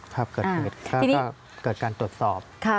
ครับเกิดเหตุก็เกิดการตรวจสอบ